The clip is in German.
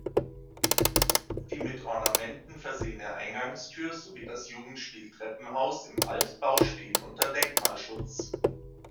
Die mit Ornamenten versehene Eingangstür sowie das Jugendstil-Treppenhaus im Altbau stehen unter Denkmalschutz.